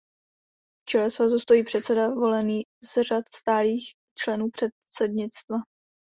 V čele svazu stojí předseda volený z řad stálých členů předsednictva.